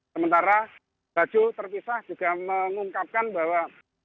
sementara baju terpisah juga mengungkapkan bahwa